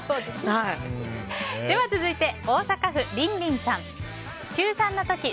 では続いて大阪府の方。